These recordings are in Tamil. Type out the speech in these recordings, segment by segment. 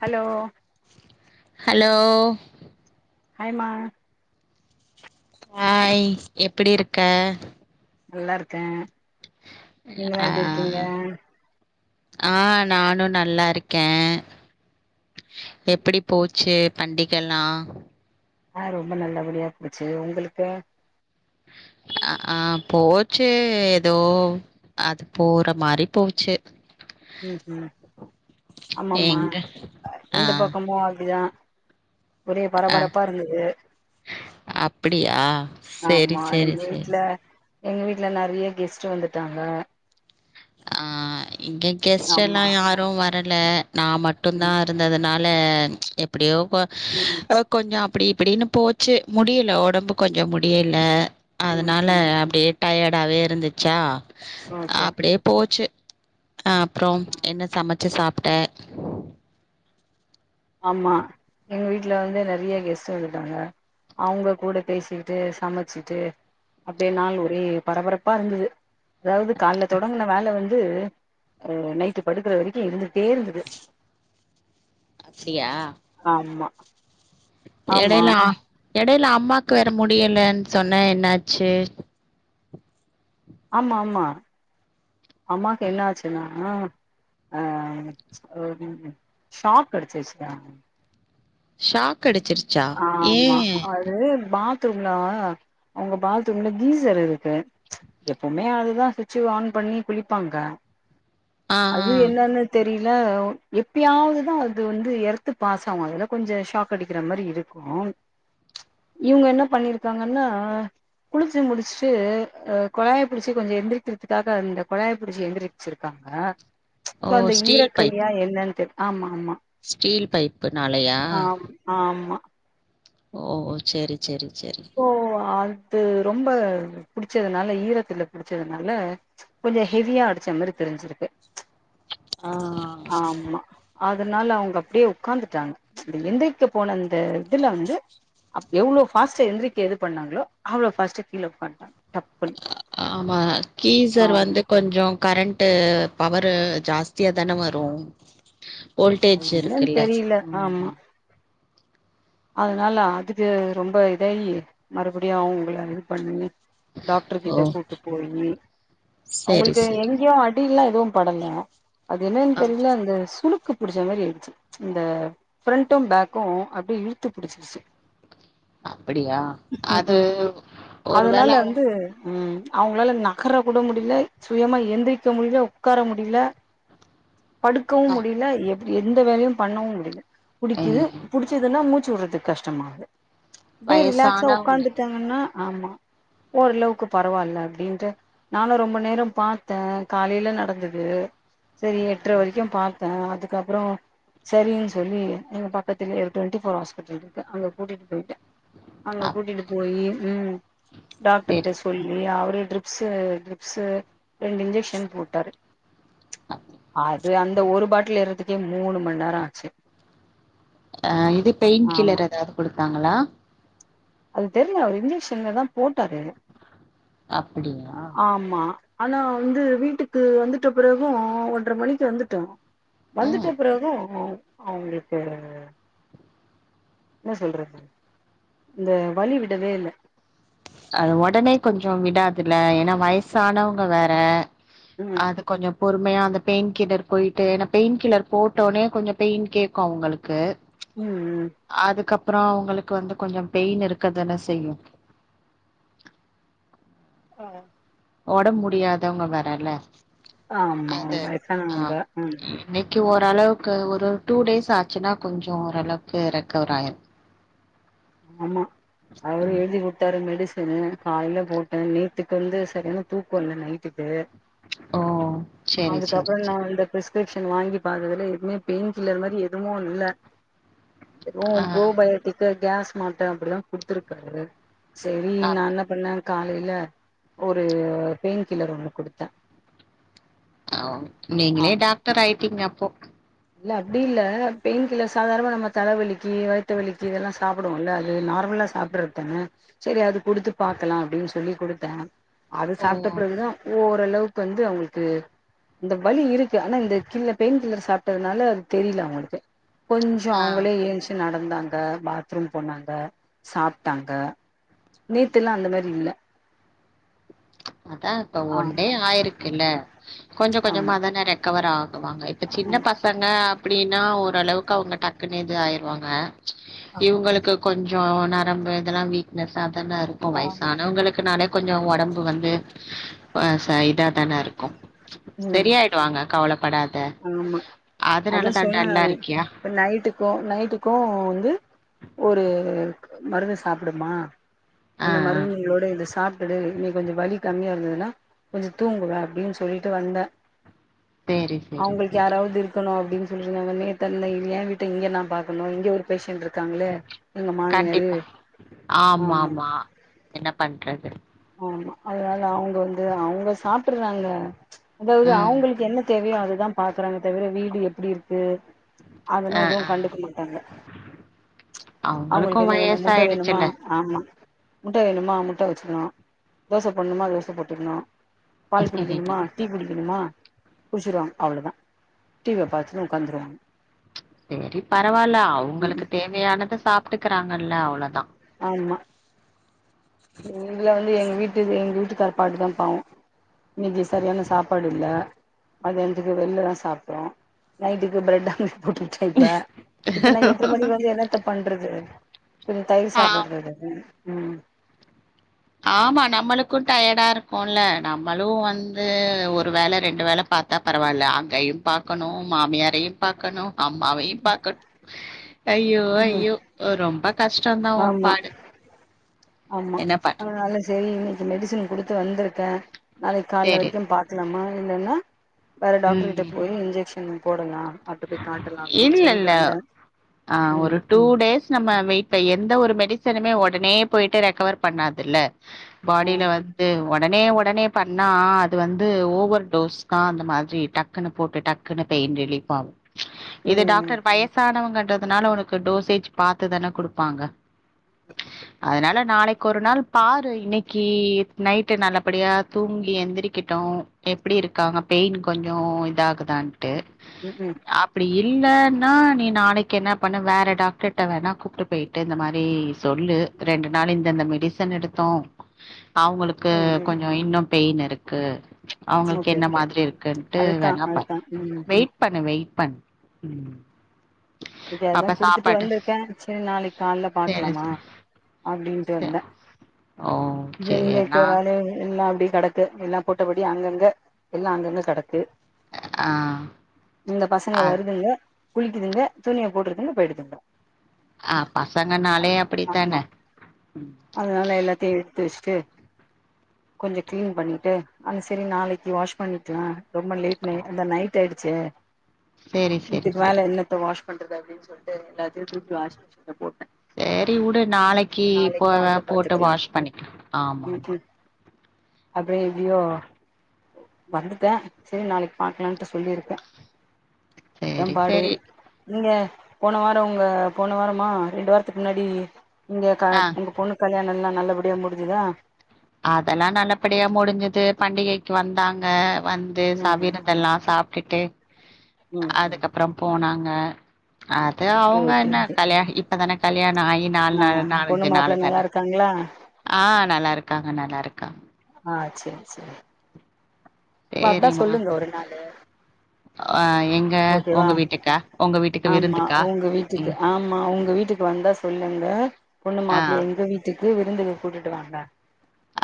ஹலோ ஹலோ ஹாய் மா ஹாய் எப்டி இருக்க நல்லா இருக்கே நீங்கல்லா ஆ எப்டி இருக்கீங்க ஆ நானு நல்லா இருக்கே எப்படி போச்சு பண்டிகைல்லா ஆ ரொம்ப நல்லபடியா போச்சு உங்களுக்கு ஆ போச்சு ஏதோ அது போற மாரி போச்சு ம் ஹம் ஆமாம எங்க ஆ எந்த பக்கமு அப்டிதா ஒரே பரபரப்பா இருந்தது அப்படியா ஆமா எங்க வீட்ல எங்க வீட்டல நெறைய கெஸ்ட்டு வந்துட்டாங்க ஆ இங்க கெஸ்ட் எல்லா ஆமா யாரு வர பல [unintelligible] நா மட்டு தா ம் இருந்தது நால இல்ல எப்டியோ போ ம் இப்ப கொஞ்சோ அப்டி இப்டின்னு போச்சு முடியில ஒடம்பு கொஞ்சோ முடியல ம் அதனால ம் அப்டியே டையடு இதாவே இருந்துச்சா ஓகே அப்டியே ச்சு அ அப்புறோ என்ன சமச்சு சாப் ட ஆமா எங்க வீட்ல வந்து நெறைய கெஸ்ட்டு வந்துருந்தாங்க அவங்க கூட பேசிட்டு சமச்சுட்டு அப்டியே நாள் ஒரே பரபரப்பா இருந்துது அதாவது காலைல தொடங்குன வேல வந்து அது நைட்டு படுக்குற வெரிக்கு இருந்துட்டே இருந்துது அப்டியா ஆமா எடயில எடயில அம் அம்மாக்கு வேற முடியலன் சொன்ன என்னாச்சு ஆமா ஆமா அம்மாக்கு என்ன ஆச்சுன்னா ஆ ஒரு ஷாக்கடுச்சுருச்சுடா ஷாக் கடுச்சுருச்சா ஏ ஆமா அது பாத்ரூம்ல அவங்க பாத்ரூம்ல கீசர் இருக்கு எப்வுமே அதுதா சுட்சு ஆன் பண்ணி குளிப்பாங்க ஆ ஆ அது என்னன்னு தெர் தெரியில எப்பயாவதுதா அது வந்து எர்த்து பாசாகூ அதுல கொஞ்சோ ஷாக்கடிக்குற மாரி இ இருக்கு இவங்க என்ன பண்ணிருக்காங்கன்னா குளுச்சு முடுச்சுட்டு அ கொழாய புடுச்சு கொஞ்சோ எந்திரிக்கிறதுக்காக அந்த கொழாய புடுச்சு எந்திரிச்சிருக்காங்க ஓ இப்ப அந்த ஸ்டீல் பைப் ஈரக்கையா என்னன் தெர் ஆமா ஆமா ஸ்டீல் பைப்பு நாலயா ஆம் ஆமா ஓ ஓ சேரி சேரி ஓ அது அது ரொம்ப புடுச்சதுனால ஈரத்துல புடுச்சதுனால கொஞ்சோ ஹெவியா அடுச்சா மாரி தெருஞ்சுருக்கு ஆஹ் ஆ ஆஹ் அதனால அவங்க அப்டியே ஒக்காந்துட்டாங்க இந்த எந்திரிக்க போன அந்த இதுல வந்து எவ்ளோ ஃபாஸ்ட்டா எந்திரிக்க இது பண்ணாங்களோ அவ்ளோ ஃபாஸ்ட்டா கீழ ஒக்காந்துட்டாங்க ஆமா கீசர் ஆமா வந்து கொஞ்சோம் கரண்ட் டு பவரு ஜாஸ்தியாதானே வரும் வோல்டேஜ் அது என்னன்னு இருக்குல்ல தெரில ஆமா அதனால அதுக்கு ரொம்ப இதாயி மறுபடியும் அவங்கள இது பண்ணி டாக்டர் ஓ கிட்ட கூட்டு போயி செரி அவங்களுக்கு செரி எங்கயோ அடிலா எதுவும் படல அது என்னன்னு ஆ தெரியல அந்த சுளூக்கு பிடிச்ச மாதிரி ஆயிச்சு இந்த ஃபிரண்டும் பேக்கும் அப்படிய பிடிச்சிருச்சு அப்படியா அது ஒரு வேளை உஹம் அவங்களால நகற கூட முடியல சுயமா எந்திரிக்க முடியல உட்கார முடியல படுக்கவும் முடியல எந்த வேலையும் பண்ணவும் முடியல அ புடிக்குது புடிச்சதுன்னா மூச்ச சுளுக்கு எடுக்கிறது கஷ்டமா அப்படியே ரிலாக்ஸ்சா வயசானவங்க உட்காந்துட்டாங்கன்னா ஆமா ஓரளவுக்கு பரவாயில்ல அப்படின்ட்டு நானும் ரொம்ப நேரம் பார்த்தேன் காலையில நடந்தது செரி ஓ எட்டரை வரைக்கும் பார்த்தேன் அதுக்கு அது அப்புறம் செரின்னு சொல்லி எங்க பக்கத்துல ஒரு டுவெண்டி போர் ஹ க்கு அங்க கூட்டிட்டு போயிட்டு அங்க அ கூட்டிட்டு போயி உம் டாக்டர்கிட்ட செரி சொல்லி அவரு டிரிப்ஸு டிரிப்ஸு ரெண்டு இன்ஜெக்ஷன் போட்டாரு அது அந்த ஒரு பாட்டில் ஏறதுக்கு அதுக்கே மூணு மணி நேரம் ஆச்சு ஆஹ் இது பெயின் ஆமா கில்லர் ஏதாவது கொடுத்தாங்களா அது தெரியல அவர் இன்ஜெக்ஷன்ல தான் போட்டரு அப்டியா ஆனா வந்து வீட்டுக்கு வந்துட்ட பிறகு ஒன்ற மணிக்கு வந்துட்டோ ம் வந்துட்ட பிறகு அவங்களுக்கு என்ன சொல்றது இந்த வழி விடவே இல்ல அது ஒடனே கொஞ்சோ விடாதுல ஏன்னா வயசானவங்க வேற ம் அது கொஞ்சோ பொறும் உண்மையா அந்த பெயின் கில்லர் போயிட்டு ஏன்னா பெயின் கில்லர் போட்டோனே கொஞ்சோ பெயின் கேக்கு அவங்களுக்கு ம் ம் அதுக்கப் அப்புறோ அவங்களுக்கு வந்து கொஞ்சோ பெயின் இருக்கதான செய்யு ஆ ஒடம்பு முடியாதவங்க வேற இல்ல ஆமா வயசானவங்க ம் கே ஓரளவுக்கு ஒரு டூ டேஸ் ஆச்சுன்னா கொஞ்சோ ஓரளவுக்கு ரெக்கவவர் ஆயிரு ஆமா அவரு ம். எழுதி குடுத்தாரு மெடிஸ் சேரி காயில போட்ட நேத்துக்கு வந்து சரியான தூக்கோ இல்ல நைட்டுக்கு ஓ சேரி சேரி அதுக்கப்புறோ நா சேரி வந்து பிரிஸ் கிரிப்சன் வாங்கி பாத்ததுல எமே பெயின் கில்லர் மாரி எ எதுவு இல் எதுவு ஆ ஃப்ரோபயோட்டிக்கு கேஸ் மாத்ர அப்டிதா குடுத்துருக்காரு சேரி ஆ நா என்ன பண்ண காலையில ஒரு பெயின் கில்லர் ஒண்ணு குடுத்த ஓக் நீங்களே டாக்டர் ஆயிட்டீங்க அப் போ இல்ல அப்டி இல்ல பெயின் கில்லர் சாதாரணமா நம்ம தலவலிக்கு வயத்த வலிக்கு இதெல்லா சாப்புடுவோல்ல அது நார்மலா சாப்புறதான சேரி அது குடுத்து பாக்கலா அப்டின் சொல்லி குடுத்த அது ஓ சாப்புட்ட பிறகுதா ஓர் அளவுக்கு வந்து அவங்களுக்கு இந்த வலி இருக்கு ஆனா இந்த கில்லர் பெயின் கில்லர் சாப் டதுனால அது தெரியில அவங்களுக்கு கொஞ்சோ ஆ அவங்களே ஏஞ்சு நடக் வந்தாங்க பாத்ரூம் போனாங்க சாப்டாங்க நேத்து எல்லா அந்த மாரி இல்ல அதா இப்ப ஆ ஒன்டே ஆயிருக்குல்ல கொஞ்ச ஆமா கொஞ்சமாதான ரெக்கவர் ஆகு வாங்க இப்ப சின்ன ஆமா பசங்க அப்படின்னா ஒரு ஓரளவுக்கு அவங்க டக்குன்னு இது ஆயிருவாங்க இவங்களுக்கு கொஞ்சம் கொஞ்சம் நரம்பு இதெல்லாம் வீக்னஸ் அப்டி தானே இருக்கும் ஆமா வயசானவங்களுக்குனானே கொஞ்சம் உடம்பு போன் ஆ சைட்ட தானே இருக்கும் ம் சரியாயிடுவாங்க கவலை ஆமா அதான் சொல்ல டல்லா நானே இருக்கியா இப்ப நைட்டுக்கும் நைட்டுக்கும் வந்து ஒரு மருந்து சாப்பிடுமா ஆ அந்த ஆ மருந்துங்களோட இதை சாப்பி கொஞ்சம் வலி கம்மியா இருந்ததுன்னா கொஞ்சம் தூங்குக அப்படின்னு சொல்லிட்டு வந்தேன் சேரி சேரி அவங்களுக்கு சேரி யாராவது இருக்கணும் அப்படின்னு சொல்றங்க என் வீட்ட இங்க நான் பாக்கணும் இங்க ஒரு பேஷன்் இருக்கங்களே கண்டிப்பா ஆமா ஆமா என்ன பண்றது ஆமா அதனால அவங்க வந்து அவங்க சாப்பிடுறாங்க அதாவது ம் அவங்களுக்கு என்ன தேவையோ அதுதான் பாக்குறாங்க தவிர வீடு எப்படி இருக்கு ஆ அதல்லாம் ஆ எதுவும் கண்டுக்க மாட்டாங்க [inaudible] அவங்களுக்கு என்ன வேணும் முட்ட வேணுமா வயசாயிடுச்சுல்ல ஆமா முட்ட வேணுமா முட்ட வச்சுக்கணும் தோச போடணுமா தோச போட்டுக்கணும் பால் குடிக்கிணுமா டீ குடிக்கிணுமா கு டிச்சிருவாங்க அவ்வளவுதான் டிவிய பார்த்துன்னு உட்காந்துருவாங்க செரி பரவாயில்ல அவங்களுக்கு தேவையானதை சாப் இருக்குறாங்களா அவ்ளோதான் ஆமா நீங்களேவே எங்க வீட்டு எங்க வீட்டுக்காரு பாட்டு தான் பாவம் இன்னைக்கு சரியான சாப்பாடு இல்ல மதியானத்துக்கு வெளிள தான் சாப்படுறோம் நைட்டுக்கு பிரட் கூட்டுட்டே இப்ப இப்ப நா எட்ர மணி வந்து என்னத்த பண்றது கொஞ்சோ தயிர் ஆ சாதோ இருந்தது உம் ஆமா நம்மளுக்குடய டா இருக்குல்ல நம்மளு வந்து ஒரு வேல ரெண்டு வேல பாத்தா பரவால்ல அங்கேயு பாக்கணு மாமியாரையு பாக்கணு அம்மாவையு பாக்க ஐயோ ம் ஐயோ ரொம்ப கஷ்ட தா ஆமா ஒம்பாடு ஆமா அதனால சரி மெடிசின் குடுத்து வந்துருக்கே நாளைக்கு காலேல சரி வரைக்கு பாக்கலாமா இல்லேன்ன வேற டாக்டர்கிட்ட ம் போய் இன்ஜெக்க்ஷனு போடலா அடுத்தது காட்டலா அப்டின்னு சொல்லிட்டு இல்லல்ல வந்தே ஆ ஒரு ம் டூ டேஸ் நம்ம வெயிட் எந்த ஒரு மெடிசனுமே ஒடனே போயிட்டு ரெக்கவர் பண்ணாதுல்ல பாடியில ம் வந்து ஒடனே -ஒடனே பண்ணா அது வந்து ஓவர் டோஸ் தா அந்த மாதிரி டக்குனு போட்டு டக்குன்னு பெயின் ரிலீஃப் ஆகு இது ம் டாக்டர் வயசானவுங்க னால உனக்கு டோசேஜ் பாத்து தான குடுப்பாங்க அதனால நாளைக்கு ஒரு நாள் பாரு இன்னைக்கு நைட்டு நல்லபடியா தூங்கி எந்திரிக்கெட்டு எப்டி இருக்காங்க பெயின் கொஞ்சோ இதாகதான்ட்டு உம் ஹம் அப்டி இல்லேனா நீ நாளைக்கு என்ன பண்ண வேற டாக்டர்ட்ட வேணா கூப்ட்டு போயிட்டு இந்த மாரி சொல்லு ரெண்டு நாள் இந்தந்த மீ டிசன் எடுத்தோம் அவுங்களுக்கு ம் ம் கொஞ்சோ இன்னும் பெயின் இருக்கு அவுங்களுக்கு ஓகே என்ன ஓகே மாதிரி இருக்குன்ட்டு அதுதா வேணா பா அதுதா ம் வெயிட் பண்ணு வெயிட் பண் உம் இது அதா குடுத்துட்டு வந்துருக்கே சேரி நாளைக்கு கால்ல சேரி பாக்கலாமா சே அப்டின்ட்டு சே வந்தே ஓ சேரி எங்க ஏன்னா வேல எல்லா அப்டியே கெடக் எல்லா போட்டபடி அங்கங்க எல்லா அங்கங்க கெடக்கு ஆ இந்த பசங்க ஆ வருதுங்க குளிக்குதுங்க துணிய போட்டுறதுன் போயிடுதுங்க ஆ பசங்க நாலே ஆமா அப்டித்தான து கொஞ்ச கிளீன் பண்ணிட்டு ஆனா சேரி நாளைக்கு வாஷ் பண்ணிக்கலா ரொம்ப லேட் ஓ நைட் அந்த நைட் இருட்டே ஆயிடுச்சு சேரி சேரி இதுக்கு சேரி மேல என்னத்த வாஷ் பண்றது அப்டின் சொல்ட்டு எல்லாத்தையு தூக்கி வாஷிங் மிசின்ல போட் சேரி உடு நாளைக்கு போ காலைல போட்டு பாத்துக்கலா வாஷ் ம் பண்ணிக்கலா ஆமா ஆமா அபபடியே இதுயு வந்துட்ட சேர் நாளைக்கு பாக்கலான்டு சொல்லியிருக்க சரி ஏம்பாடு சரி நீங்க போன வாரோ உங்க போன வாரமா ரெண்டு வாரத்துக்கு முன்னாடி இங்க க ஆ உங்க பொண்ணுக் கல்யாணம் எல்லாம் நல்லபடியா முடுஞ்சுதா அதெல்லா நல்லபடியா முடுஞ்சுது பண்டிகைக்கு வந்தாங்க வந்து ம் ம் சவீரதெல்லா சாப்டுட்டு ம் ம் அதுக்கப்புறோம் போனாங் அ அது அவுங்க ஓகே என்ன ஓகே கல்யாணி இப்பதான கல்யாண ஆயி நாலு ஆ நாள் பொண்ணு நாலஞ்சு மாப்ள நாள் நல்லா தான இருக்காங்களா ஆ நல்லா இருக்காங்க நல்லா இருக்காங்க ஆ சேரி சேரி இப்ப அதா சேரிம்மா சொல்லுங்கோ ஒரு ரெண் நாளு ஆ எங்க ஓகேவா உங்க வீட்டுக்கா உங்க வீட்டுக்கு ஆமா விருந்துக்கா உங்க வீட்டுக்கு ம் ஆமா உங்க வீட்டுக்கு வந்தா சொல்லுங்க பொண்ணு ஆ மாப்புள்ளைய எங்க வீட்டுக் இது விருந்துக்கு கூட்டிட்டு வாங்க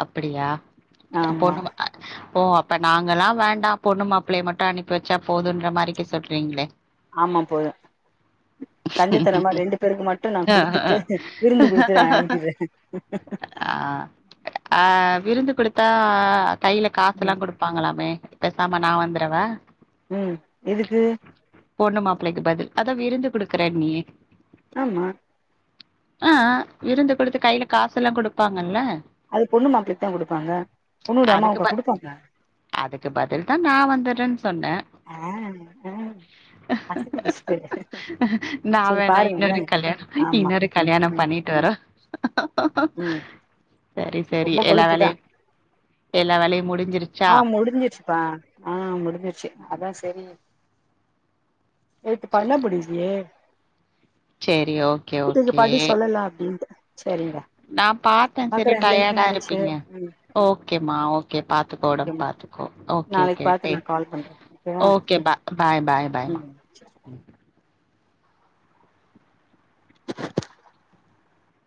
அப்டியா ஆமா பொண்ணு மா ஓ அப் இப்ப நாங்க எல்லா வேண்டா பொண்ணு மாப்புளைய மட்டு அனுப்பி வெச்சா போதன்ற மாதிரிக்கு சொல்றீங்களே ஆமா போது கஞ்சத்தனமா ரெண்டு பேருக்கு மட்டுநா குடுத்துட்டு விருந்து குடுத்து அனுப்பிற ஆ ஆ விருந்து குடுத்தா கையில காசெல்லா ம் குடுப்பாங்களாமே பேசாம நான் வந்துரவா உம் எதுக்கு பொண்ணு மாப்பிளைக்கு பதில் அத விருந்து கொடுக் க்கற நீயே ஆமா ஆஹ் விருந்து கொடுத்து கையில காசு எல்லாம் கொடுப்பாங்கல்ல அது பொண்ணு மாப்பிளைக்குதான் குடுப்பாங்க பொண்ணுடைய அதுக்கு அம்மவுக ப குடுப்பாங்கஹ் அதுக்கு பதில் தா நா வந்துடுறேன்னு சொன்னே நான் வேணா இன்னொரு கல்யாணம் ஆமா இன்னொரு கல்யாணம் பண்ணிட்டு வரோம் உம் சரி ரொம்ப எல்லா வேலையு கொழுப்புதான் எல்லா வேலையு முடிஞ்சிருச்சா ஆஹ் முடிஞ்சிருச்சுப்பா ஆஹ் முடிஞ்சிருச்சு அதான் செரி நேத்து பண்ணமுடியலயே ஓகே ஓகே ஓகே படி சொல்லலா அப்டின்ட்டு சரிங்க நான் பாத்தேன் செரி பாக்குறே லேட் டயர்டா ஆயிடுச்சு இருப்பீங்க ம் ஓகே மா ஒகே பாத்துக்கோ உடம்பு ஓகேமா பாத்துக்க்கோ ஓகே நாளைக்கு ஓகே பாத்து நா டேக் கால் பண்றே ஓகேவா ஓகே ம் ஓகே பாய் பாய் ம்